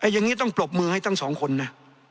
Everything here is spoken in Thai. อย่างนี้ต้องปรบมือให้ทั้งสองคนนะ